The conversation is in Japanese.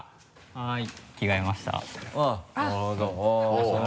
はい。